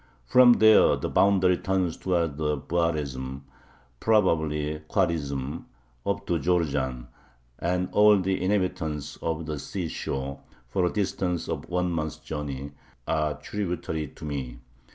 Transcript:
From there the boundary turns towards Buarezm [probably Khwarism], up to Jorjan, and all the inhabitants of the sea shore, for a distance of one month's journey, are tributary to me.